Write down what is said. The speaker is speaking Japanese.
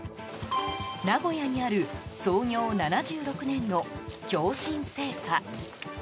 名古屋にある創業７６年の共親製菓。